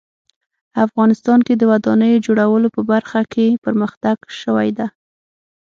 افغانستان کې د ودانیو جوړولو په برخه کې پرمختګ شوی ده